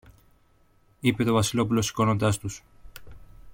είπε το Βασιλόπουλο σηκώνοντας τους